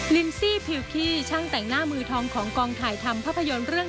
ลินซี่พิวขี้ช่างแต่งหน้ามือทองของกองถ่ายทำภาพยนตร์เรื่อง